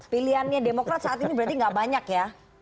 pilihannya demokrat saat ini berarti nggak banyak ya